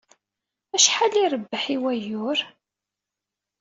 Acḥal i irebbeḥ i wayyur?